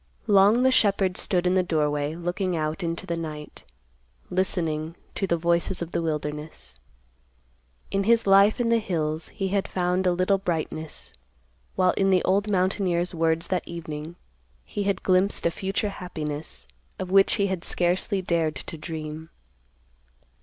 Long the shepherd stood in the doorway looking out into the night, listening to the voices of the wilderness. In his life in the hills he had found a little brightness, while in the old mountaineer's words that evening, he had glimpsed a future happiness, of which he had scarcely dared to dream.